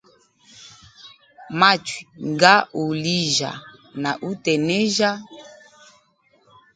Machui nga u uhulijya na utenejya.